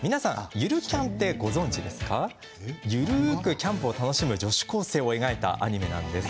ゆるーくキャンプを楽しむ女子高生を描いたアニメなんです。